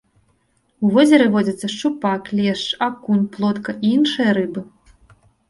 У возеры водзяцца шчупак, лешч, акунь, плотка і іншыя рыбы.